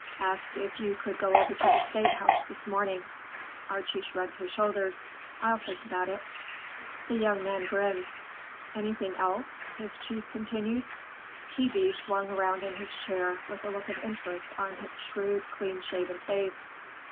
Asked if you could go over to the State House this morning." Archie shrugged his shoulders. "I'll think about it." The young man grinned. "Anything else?" his chief continued. T. B. swung round in his chair with a look of interest on his shrewd, clean shaven face.